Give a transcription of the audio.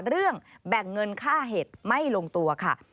เรื่องแบ่งเงินค่าเห็ดไม่ลงตัวค่ะ